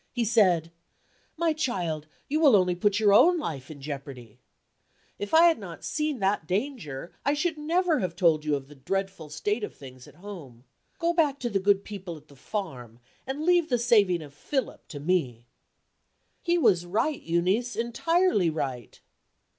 He said: 'My child, you will only put your own life in jeopardy. If I had not seen that danger, I should never have told you of the dreadful state of things at home. Go back to the good people at the farm, and leave the saving of Philip to me.'" "He was right, Euneece, entirely right."